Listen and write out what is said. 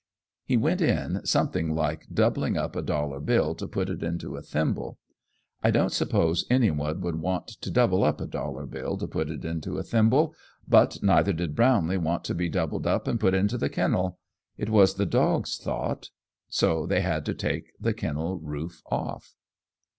He went in something like doubling up a dollar bill to put it into a thimble. I don't suppose anyone would want to double up a dollar bill to put it into a thimble, but neither did Brownlee want to be doubled up and put into the kennel. It was the dog's thought. So they had to take the kennel roof off.